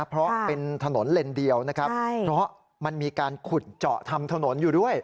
เพราะเป็นถนนเลนเดียวนะครับเพราะมันมีการขุดเจาะทำถนนอยู่ด้วย